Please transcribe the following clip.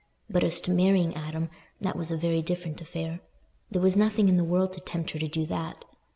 But as to marrying Adam, that was a very different affair! There was nothing in the world to tempt her to do that.